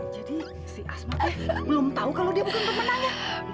jadi si asma tuh belum tahu kalau dia bukan pemenangnya